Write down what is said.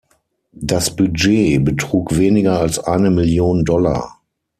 Das Budget betrug weniger als eine Million Dollar.